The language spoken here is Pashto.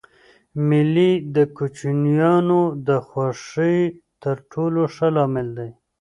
مېلې د کوچنيانو د خوښۍ تر ټولو ښه لامل دئ.